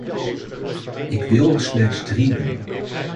Ik wil er slechts drie noemen.